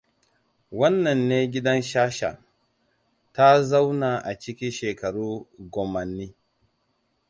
Wannan ne gidan Sasha. Ta zauna a ciki shekaru gomanni.